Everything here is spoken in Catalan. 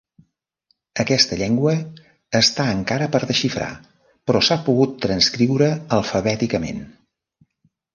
Aquesta llengua està encara per desxifrar, però s'ha pogut transcriure alfabèticament.